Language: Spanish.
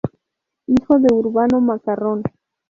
Hijo de Urbano Macarrón.